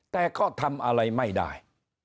แต่ก็ทำอะไรไม่ได้